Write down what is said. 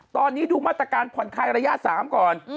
ตอนนี้ดูมาตรการผ่อนคลายระยะ๓ก่อน